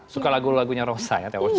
suka lagu lagunya rosa ya teh ocha